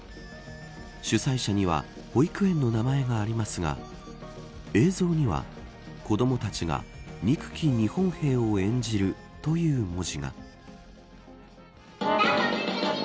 主催者には保育園の名前がありますが映像には子どもたちが憎き日本兵を演じるという文字が。